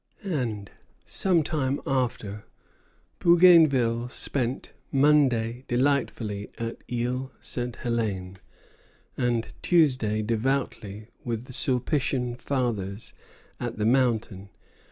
And, some time after, "Bougainville spent Monday delightfully at Isle Ste. Hélène, and Tuesday devoutly with the Sulpitian Fathers at the Mountain.